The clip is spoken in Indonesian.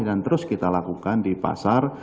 dan terus kita lakukan di pasar